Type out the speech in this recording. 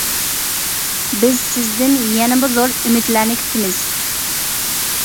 بىز سىزدىن يەنىمۇ زور ئۈمىدلەرنى كۈتىمىز!